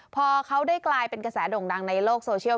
พอเขาได้กลายเป็นกระแสโด่งดังในโลกโซเชียล